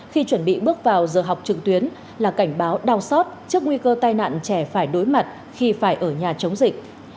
khi chuẩn bị bước vào giờ học trực tuyến là cảnh báo đau xót trước nguy cơ tai nạn trẻ phải đối mặt khi phải ở nhà chống dịch